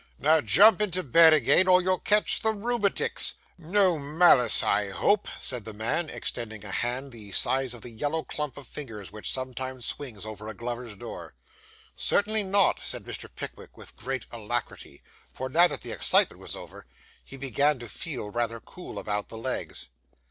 'Now jump into bed again, or you'll catch the rheumatics. No malice, I hope?' said the man, extending a hand the size of the yellow clump of fingers which sometimes swings over a glover's door. 'Certainly not,' said Mr. Pickwick, with great alacrity; for, now that the excitement was over, he began to feel rather cool about the legs.